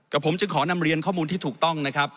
ผมจึงขอนำเรียนข้อมูลที่ถูกต้องนะครับ